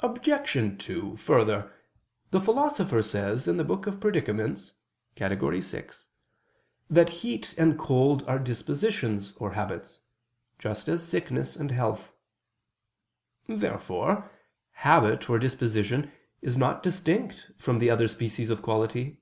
Obj. 2: Further, the Philosopher says in the Book of the Predicaments (Categor. vi), that heat and cold are dispositions or habits, just as sickness and health. Therefore habit or disposition is not distinct from the other species of quality.